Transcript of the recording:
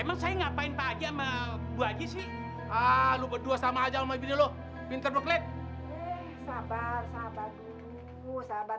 emang saya ngapain pagi mau wajib sih ah lu berdua sama aja lo pinter beklet sabar sabar dulu